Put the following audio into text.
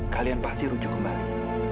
kalian pasti rujuk kembali